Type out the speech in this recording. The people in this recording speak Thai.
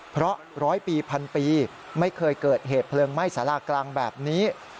เพราะร้อยปีพันปีไม่เคยเกิดเหตุเพลิงไหม้สารากลางแบบนี้